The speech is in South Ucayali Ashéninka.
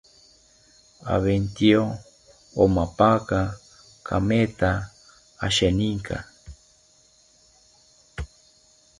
Aventyo omampaka kametha asheninka